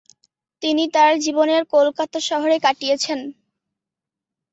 তিনি তার জীবনের কলকাতা শহরে কাটিয়েছেন।